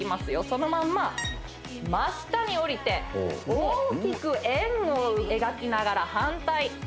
そのまんま真下に下りて大きく円を描きながら反対